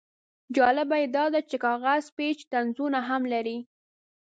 جالبه یې دا دی چې کاغذ پیچ طنزونه هم لري.